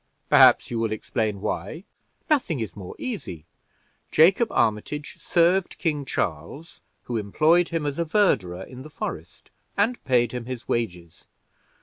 "Perhaps you will explain why?" "Nothing is more easy. Jacob Armitage served King Charles, who employed him as a verderer in the forest, and paid him his wages.